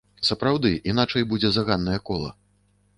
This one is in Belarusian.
Сапраўды, іначай будзе заганнае кола.